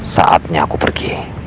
saatnya aku pergi